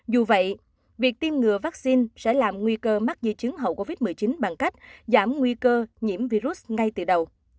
dù vậy việc tiêm ngừa vaccine sẽ làm nguy cơ mắc di chứng hậu covid một mươi chín bằng cách giảm nguy cơ nhiễm virus ngay từ đầu